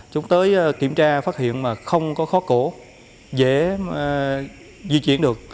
chúng tới kiểm tra phát hiện mà không có khó cổ dễ di chuyển được